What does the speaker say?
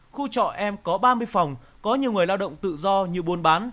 khu trọ em có ba mươi phòng có nhiều người lao động tự do như buôn bán